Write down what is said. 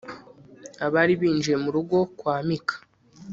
abari binjiye mu rugo kwa mika